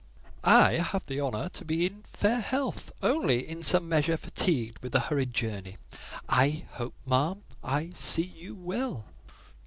"I have the honour to be in fair health, only in some measure fatigued with a hurried journey. I hope, ma'am, I see you well?"